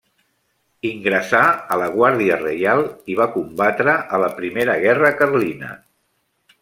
Ingressà a la Guàrdia Reial i va combatre a la primera guerra carlina.